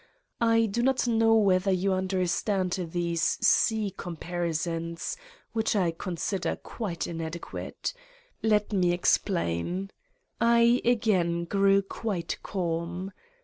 I do not know whether you understand these sea comparisons, which I consider quite in adequate. Let me explain: I again grew quite calm.